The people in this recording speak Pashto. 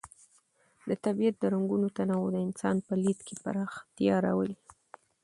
د طبیعت د رنګونو تنوع د انسان په لید کې پراختیا راولي.